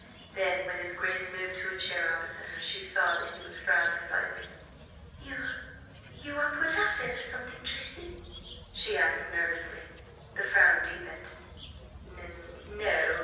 Then, when his Grace moved to a chair opposite her, she saw that he was frowning slightly. "You–you are put out over something, Tracy?" she asked nervously. The frown deepened. "N no.